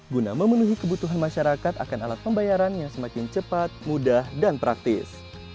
guna memenuhi kebutuhan masyarakat akan alat pembayaran yang semakin cepat mudah dan praktis